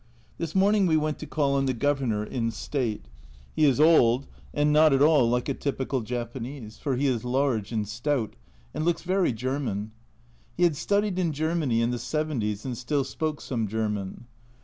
This morning we went to call on the Governor in state. He is old, and not at all like a typical Japanese, for he is large and stout, and looks very German. He had studied in Germany in the 'seventies and still spoke some German.